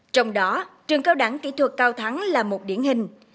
trong đó trường cao đẳng kỹ thuật cao thắng là một điển hình